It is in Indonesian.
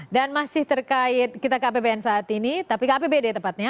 dan masih terkait kita kpbn saat ini tapi kpbd tepatnya